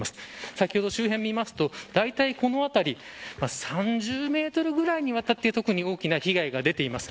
先ほど周辺を見るとだいたいこの辺り３０メートルぐらいにわたって特に大きな被害が出ています。